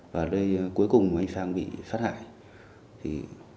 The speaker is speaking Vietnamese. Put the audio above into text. và lơi cuối cùng anh sang bị sát hại